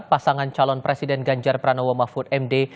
pasangan calon presiden ganjar pranowo mahfud md